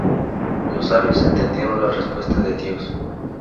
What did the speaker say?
Los Sabios entendieron la respuesta de Dios.